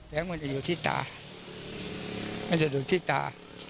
แล้วมันจะอยู่ที่ตามันจะอยู่ที่ตา